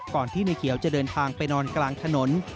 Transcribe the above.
ที่ในเขียวจะเดินทางไปนอนกลางถนน